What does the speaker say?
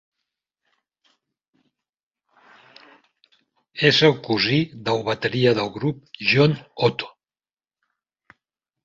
És el cosí del bateria del grup, John Otto.